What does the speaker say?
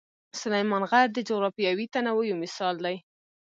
سلیمان غر د جغرافیوي تنوع یو مثال دی.